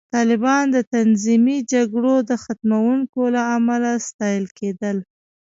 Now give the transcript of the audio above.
طالبان د تنظیمي جګړو د ختموونکو له امله ستایل کېدل